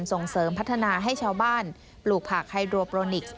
ส่งเสริมพัฒนาให้ชาวบ้านปลูกผักไฮโดโปรนิกส์